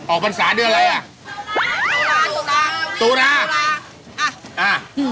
ออกปันสาด้วยอะไรอ่ะทุลาตุลาอ่ะ